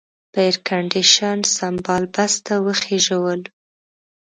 په ایرکنډېشن سمبال بس ته وخېژولو.